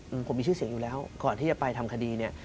อืมผมมีชื่อเสียงอยู่แล้วก่อนที่จะไปทำคดีเนี้ย